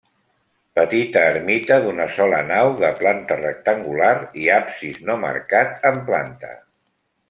Petita ermita d'una sola nau de planta rectangular i absis no marcat en planta.